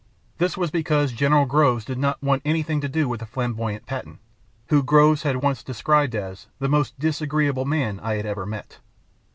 This was because General Groves did not want anything to do with the flamboyant Patton, who Groves had once described as "the most disagreeable man I had ever met."